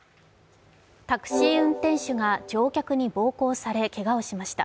タクシー運転手が乗客に暴行され、けがをしました。